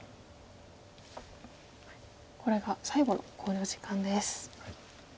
これが最後の考慮時間です。